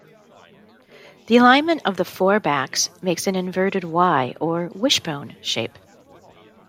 The alignment of the four backs makes an inverted Y, or "wishbone", shape.